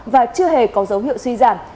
và chưa hề có dấu hiệu suy giảm